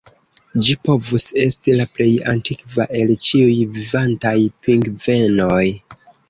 Ĝi povus esti la plej antikva el ĉiuj vivantaj pingvenoj.